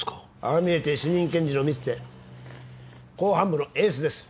ああ見えて主任検事の三瀬公判部のエースです。